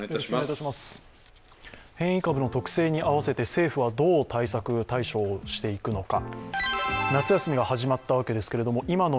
変異株の特性に合わせて政府はどう対処していくのか。